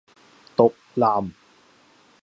毒男